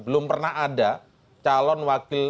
belum pernah ada calon wakil